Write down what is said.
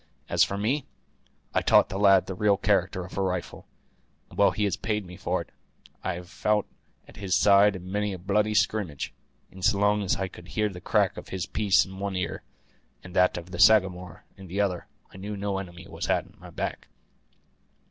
As for me, I taught the lad the real character of a rifle; and well has he paid me for it. I have fou't at his side in many a bloody scrimmage; and so long as I could hear the crack of his piece in one ear, and that of the Sagamore in the other, I knew no enemy was on my back.